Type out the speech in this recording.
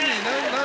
何？